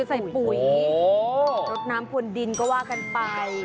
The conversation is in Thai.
ใส่ปุ๋ยรดน้ำควรดินก็ว่ากันไป